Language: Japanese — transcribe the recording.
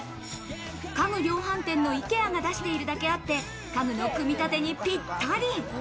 かの量販店のＩＫＥＡが出しているだけあって、家具の組み立てにぴったり。